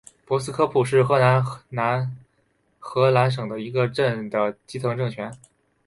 博斯科普是荷兰南荷兰省的一个镇的基层政权。